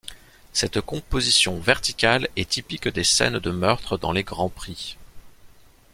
Cette composition verticale est typique des scènes de meurtres dans les grands prix.